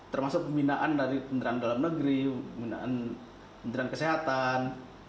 termasuk pembinaan dari penterian dalam negeri pembinaan penterian kesehatan